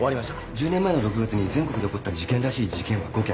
１０年前の６月に全国で起こった事件らしい事件は５件。